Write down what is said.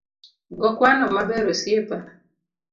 Go kwano maber osiepa